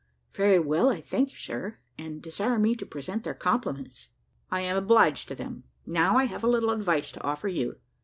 "Very well, I thank you, sir, and desire me to present their compliments." "I am obliged to them. Now I have a little advice to offer you.